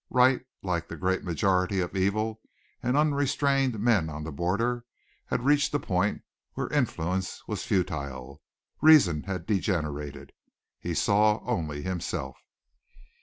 Wright, like the great majority of evil and unrestrained men on the border, had reached a point where influence was futile. Reason had degenerated. He saw only himself.